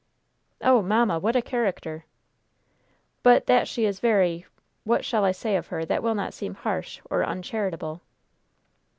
"Oh, mamma, what a character!" "But that she is very what shall I say of her that will not seem harsh or uncharitable?"